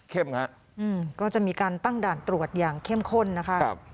ก็จะมีการตั้งด่านตรวจอย่างเข้มข้นนะคะ